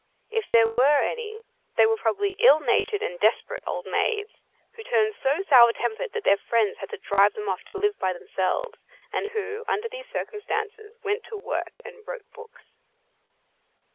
If there were any, they were probably ill natured and desperate old maids, who turned so sour tempered that their friends had to drive them off to live by themselves, and who, under these circumstances, went to work and wrote books.